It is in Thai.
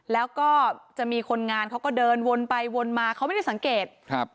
แล้วก็จะมีคนงานเขาก็เดินวนไปวนมาเขาไม่ได้สังเกตครับ